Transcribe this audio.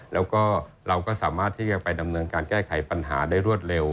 แล้วก็เราก็สามารถที่จะไปดำเนินการแก้ไขปัญหาได้รวดเร็ว